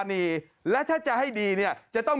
ก็ไม่รู้ว่าจะหามาได้จะบวชก่อนเบียดหรือเปล่า